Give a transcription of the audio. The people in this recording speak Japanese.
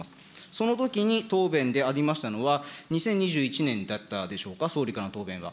そのときに答弁でありましたのは、２０２１年だったでしょうか、総理からの答弁が。